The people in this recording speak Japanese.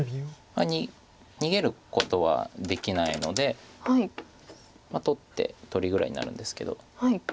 逃げることはできないので取って取りぐらいになるんですけど。